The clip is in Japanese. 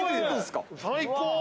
最高。